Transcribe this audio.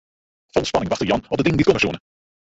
Fol spanning wachte Jan op de dingen dy't komme soene.